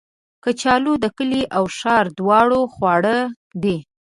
کچالو د کلي او ښار دواړو خواړه دي